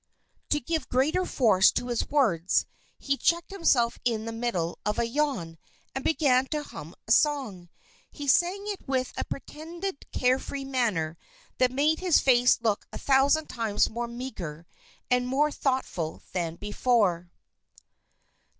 To give greater force to his words, he checked himself in the middle of a yawn, and began to hum a song. He sang it with a pretended care free manner that made his face look a thousand times more meagre and more thoughtful than before.